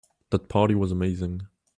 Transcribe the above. That party was amazing.